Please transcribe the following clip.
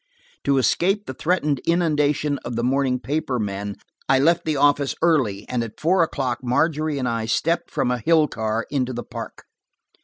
To escape the threatened inundation of the morning paper men, I left the office early, and at four o'clock Margery and I stepped from a hill car into the park.